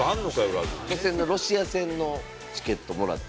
初戦のロシア戦のチケットもらって。